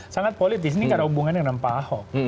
sangat politis ini karena hubungannya dengan pak ahok